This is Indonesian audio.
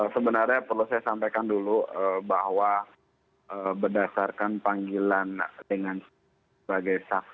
sebenarnya perlu saya sampaikan dulu bahwa berdasarkan panggilan dengan sebagai saksi